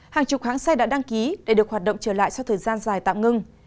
hàng chục hãng xe đã đăng ký để được hoạt động trở lại sau thời gian dài tạm ngưng